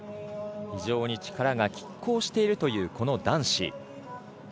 非常に力がきっ抗しているという男子。